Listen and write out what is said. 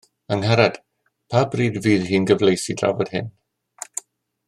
Angharad, pa bryd fydd hi'n gyfleus i drafod hyn